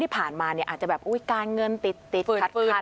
ค่ารถค่าราหรือข้าที่พัก